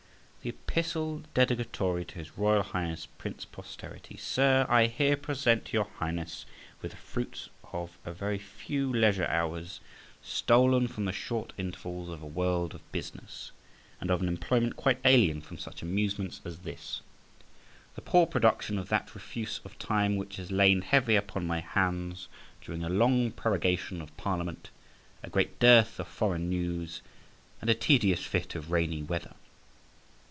THE EPISTLE DEDICATORY TO HIS ROYAL HIGHNESS PRINCE POSTERITY. SIR, I HERE present your Highness with the fruits of a very few leisure hours, stolen from the short intervals of a world of business, and of an employment quite alien from such amusements as this; the poor production of that refuse of time which has lain heavy upon my hands during a long prorogation of Parliament, a great dearth of foreign news, and a tedious fit of rainy weather.